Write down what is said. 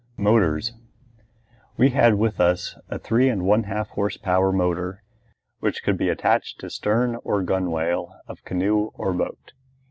MOTORS We had with us a three and one half horse power motor which could be attached to stern or gunwale of canoe or boat.